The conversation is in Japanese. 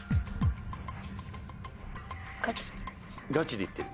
ガチで言ってる？